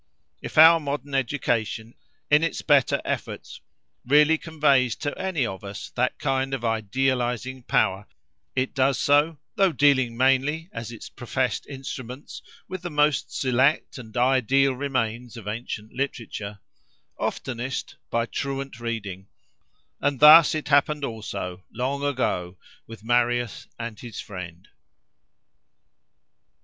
If our modern education, in its better efforts, really conveys to any of us that kind of idealising power, it does so (though dealing mainly, as its professed instruments, with the most select and ideal remains of ancient literature) oftenest by truant reading; and thus it happened also, long ago, with Marius and his friend.